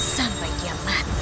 sampai dia mati